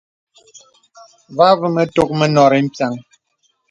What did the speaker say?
Vὰ àvə mə tòk mə nòrí mpiàŋ.